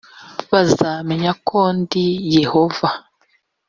bazamenya ko ndi yehova